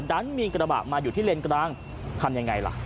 ดันมีกระบะมาอยู่ที่เลนกลางทำยังไงล่ะ